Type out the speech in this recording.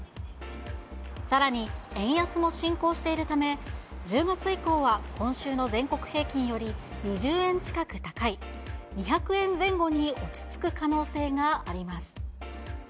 さらに円安も進行しているため、１０月以降は今週の全国平均より２０円近く高い２００円前後に落ち着く可能性があります。